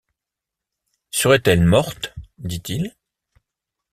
Serait-elle morte! dit-il